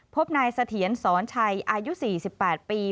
พบนายเสถียรสอนชัยอายุ๔๘ปี